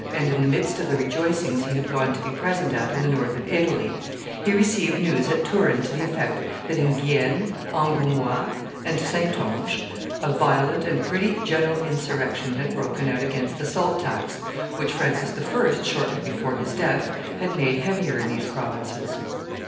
and in the midst of the rejoicings he had gone to be present at in the north of Italy, he received news at Turin to the effect that in Guienne, Angoumois, and Saintonge a violent and pretty general insurrection had broken out against the salt tax, which Francis I., shortly before his death, had made heavier in these provinces.